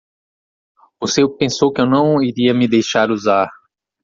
Você pensou que eu não iria me deixar usar